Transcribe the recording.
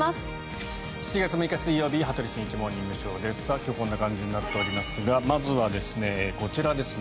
７月６日、水曜日「羽鳥慎一モーニングショー」。今日はこんな感じになっておりますがまずはこちらです。